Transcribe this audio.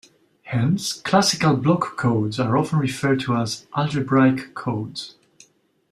Hence classical block codes are often referred to as algebraic codes.